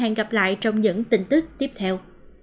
hẹn gặp lại trong những tin tức tiếp theo